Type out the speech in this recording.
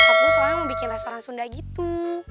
nyokap gue soalnya mau bikin restoran sunda gitu